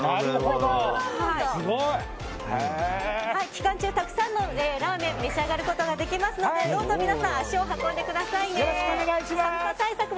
期間中、たくさんのラーメンを召し上がることができますのでどうぞ皆さん足を運んでくださいね。